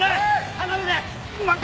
離れて！